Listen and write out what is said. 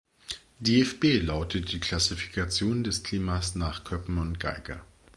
Dfb lautet die Klassifikation des Klimas nach Köppen und Geiger.